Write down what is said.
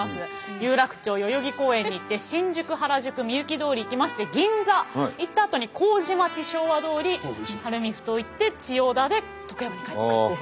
有楽町代々木公園に行って新宿原宿御幸通行きまして銀座行ったあとに糀町昭和通晴海埠頭行って千代田で徳山に帰ってくるという。